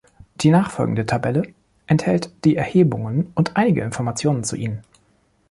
Die nachfolgende Tabelle enthält die Erhebungen und einige Informationen zu ihnen.